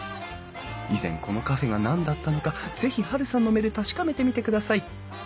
以前このカフェが何だったのかぜひハルさんの目で確かめてみてください。